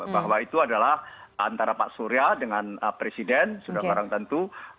bahwa itu adalah antara pak surya dengan presiden sudah barang tentu